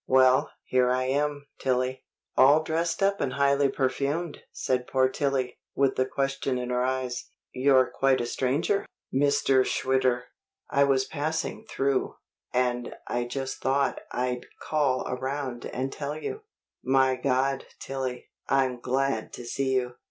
"Well, here I am, Tillie." "All dressed up and highly perfumed!" said poor Tillie, with the question in her eyes. "You're quite a stranger, Mr. Schwitter." "I was passing through, and I just thought I'd call around and tell you My God, Tillie, I'm glad to see you!"